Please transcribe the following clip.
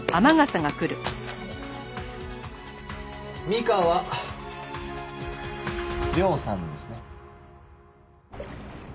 三河亮さんですね？